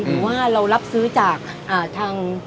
หรือว่าเรารับซื้อจากทาง